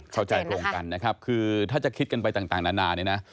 เข้าใจตรงกันนะครับคือถ้าจะคิดกันไปต่างนานาเนี่ยนะ